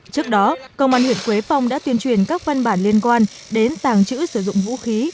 trước đó công an huyện quế phong đã tuyên truyền các văn bản liên quan đến tàng trữ sử dụng vũ khí